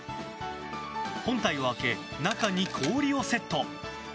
本体を開け、中に氷をセット。